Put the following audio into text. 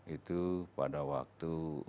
itu pada waktu